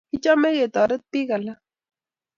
Kichome ketoret pik alak.